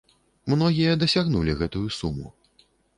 Многія дасягнулі гэтую суму.